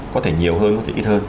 có thể nhiều hơn có thể ít hơn